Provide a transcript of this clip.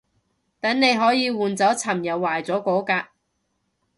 等你可以換走尋日壞咗嗰架